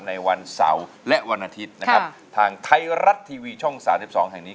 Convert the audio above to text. ในวันเสาร์และวันอาทิตย์นะครับทางไทยรัฐทีวีช่อง๓๒แห่งนี้